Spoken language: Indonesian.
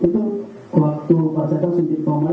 untuk waktu pak hakim itu sendiri saja